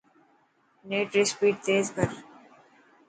نيٽ ري اسپيڊ تيز ڪر.